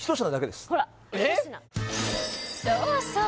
そうそう！